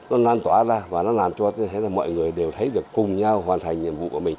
nó lan tỏa ra và nó làm cho tôi là mọi người đều thấy được cùng nhau hoàn thành nhiệm vụ của mình